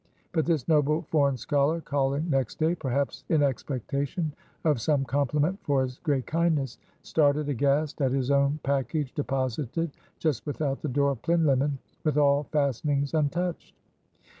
But this noble foreign scholar calling next day perhaps in expectation of some compliment for his great kindness started aghast at his own package deposited just without the door of Plinlimmon, and with all fastenings untouched.